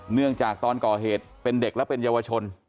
เนื่องจากตอนก่อเหตุเป็นเด็กและเป็นเยาวชน